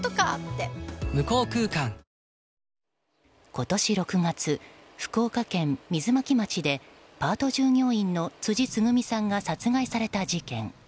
今年６月、福岡県水巻町でパート従業員の辻つぐみさんが殺害された事件。